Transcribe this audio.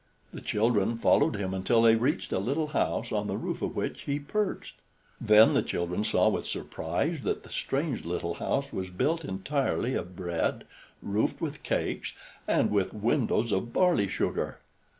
The children followed him until they reached a little house, on the roof of which he perched. Then the children saw with surprise that the strange little house was built entirely of bread, roofed with cakes, and with windows of barley sugar.